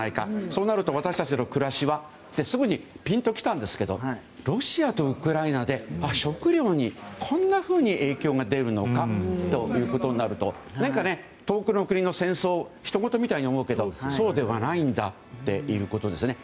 そうなると私たちの暮らしはってすぐにピンときたんですけどロシアとウクライナで食料にこんなふうに影響が出るのかということになると何か遠くの国の戦争をひとごとのように思うけどそうではないんだということですね。